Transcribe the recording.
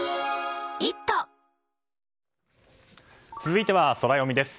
続いては、ソラよみです。